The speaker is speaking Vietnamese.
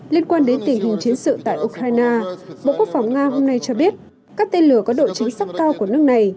liên quan đến tình hình chiến sự tại ukraine bộ quốc phòng nga hôm nay cho biết các tên lửa có độ chính xác cao của nước này